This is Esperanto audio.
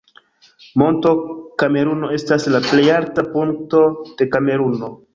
Monto Kameruno estas la plej alta punkto de Kameruno.